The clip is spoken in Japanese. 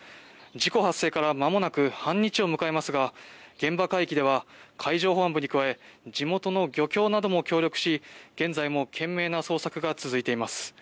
事故発生から間もなく半日を迎えますが現場海域では海上保安部に加え地元の漁協なども協力し現在も懸命な捜索が続いています。